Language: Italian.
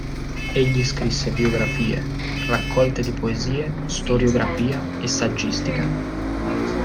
Egli scrisse biografie, raccolte di poesie, storiografia e saggistica.